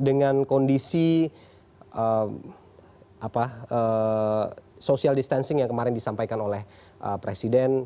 dengan kondisi social distancing yang kemarin disampaikan oleh presiden